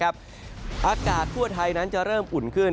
อากาศทั่วไทยนั้นจะเริ่มอุ่นขึ้น